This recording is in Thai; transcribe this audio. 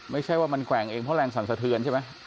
ไม่ใช่ว่ามันแกว่งเองเพราะแรงสั่นสะเทือนใช่ไหม